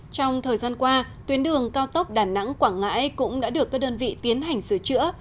trong thời gian qua tuyến đường cao tốc đà nẵng quảng ngãi cũng đã được các đơn vị tiến hành sửa chữa